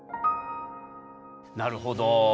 なるほど。